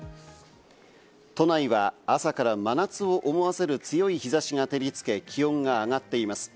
都内は朝から真夏を思わせる強い日差しが照りつけ、気温が上がっています。